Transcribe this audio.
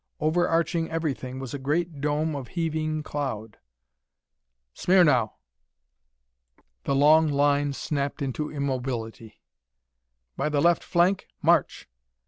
Overarching everything was a great dome of heaving cloud. "Smirn ow!" The long line snapped into immobility. "By the left flank, march!"